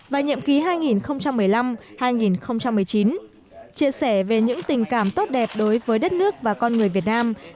và nhiệm kỳ hai nghìn tám hai nghìn một mươi hai và nhiệm kỳ hai nghìn tám hai nghìn một mươi hai và nhiệm kỳ hai nghìn tám hai nghìn một mươi hai